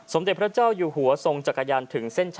สมเด็จพระเจ้าอยู่หัวทรงจักรยานถึงเส้นชัย